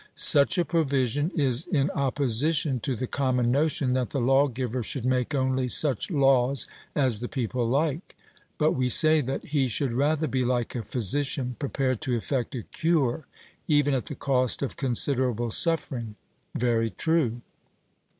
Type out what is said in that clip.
Such a provision is in opposition to the common notion that the lawgiver should make only such laws as the people like; but we say that he should rather be like a physician, prepared to effect a cure even at the cost of considerable suffering. 'Very true.'